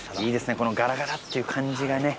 このガラガラっていう感じがね